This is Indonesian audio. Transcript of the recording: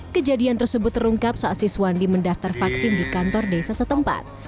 kejadian tersebut terungkap saat siswandi mendaftar vaksin di kantor desa setempat